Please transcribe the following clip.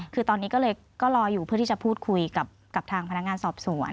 คือตอนนี้ก็เลยก็รออยู่เพื่อที่จะพูดคุยกับทางพนักงานสอบสวน